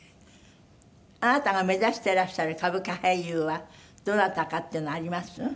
あなたが目指してらっしゃる歌舞伎俳優はどなたかっていうのあります？